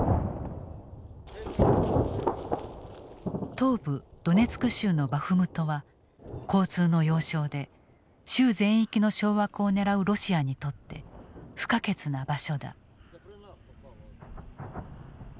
東部ドネツク州のバフムトは交通の要衝で州全域の掌握を狙うロシアにとって不可欠な場所だ。